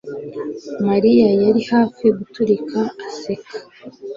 Mariya yari hafi guturika aseka